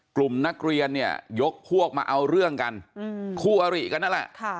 กลุ่มนักเรียนเนี่ยยกพวกมาเอาเรื่องกันคู่อริกันนั่นแหละ